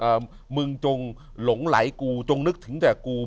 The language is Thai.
มึงจงหลงไหลกูจงนึกถึงแต่กู